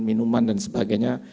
minuman dan sebagainya